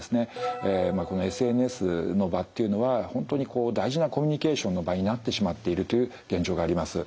このＳＮＳの場っていうのは本当に大事なコミュニケーションの場になってしまっているという現状があります。